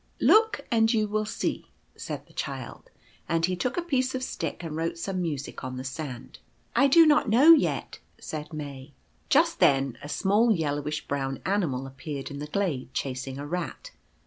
" Look, and you will see," said the Child, and he took a piece of stick and wrote some music on the sand. v " I do not know yet," said May. Just then a small yellowish brown animal appeared in the glade chasing a rat.